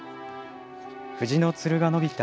藤のつるが伸びた